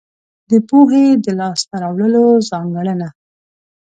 د پوهې د لاس ته راوړلو ځانګړنه.